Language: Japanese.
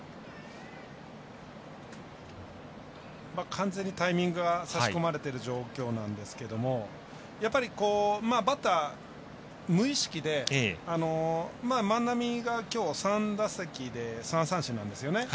完全にタイミング差し込まれてる状況なんですがやっぱり、バッター無意識で万波がきょう３打席で３三振なんですよね。